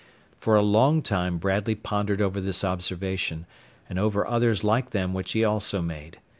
For a long time Bradley pondered over this observation, and over others like them which he also made.